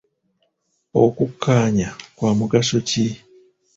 Okukkanya kwa mugaso ki?